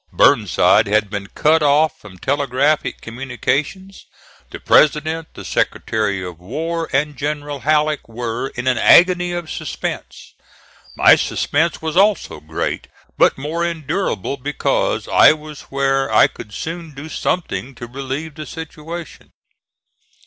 Burnside had been cut off from telegraphic communications. The President, the Secretary of War, and General Halleck, were in an agony of suspense. My suspense was also great, but more endurable, because I was where I could soon do something to relieve the situation.